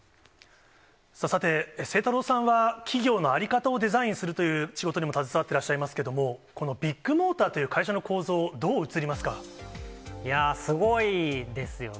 さて、晴太郎さんは、企業の在り方をデザインするという仕事にも携わってらっしゃいますけれども、このビッグモーターという会社の構造、どう映りますすごいですよね。